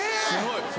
すごい。